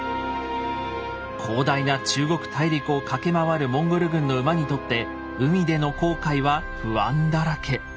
広大な中国大陸を駆け回るモンゴル軍の馬にとって海での航海は不安だらけ。